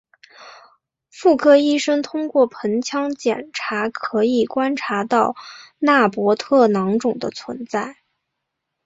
妇科医生通过盆腔检查可以观察到纳博特囊肿的存在。